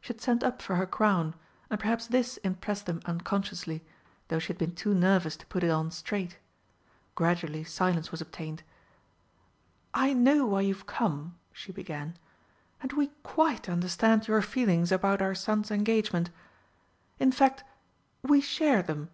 She had sent up for her crown, and perhaps this impressed them unconsciously, though she had been too nervous to put it on straight. Gradually silence was obtained. "I know why you've come," she began, "and we quite understand your feelings about our son's engagement. In fact we share them."